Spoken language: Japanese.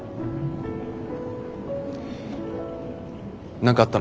何かあったのか？